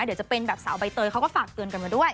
เดี๋ยวจะเป็นแบบสาวใบเตยเขาก็ฝากเตือนกันมาด้วย